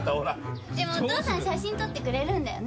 でもお父さん写真撮ってくれるんだよね？